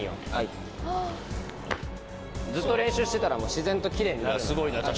ずっと練習してたら自然とキレイになるから。